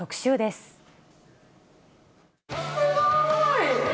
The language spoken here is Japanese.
すごーい！